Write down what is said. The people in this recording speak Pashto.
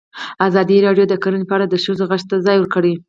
ازادي راډیو د کرهنه په اړه د ښځو غږ ته ځای ورکړی.